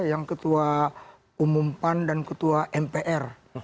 yang ketua umumpan dan ketua mpr